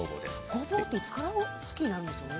ゴボウっていつから好きになるんでしょうね。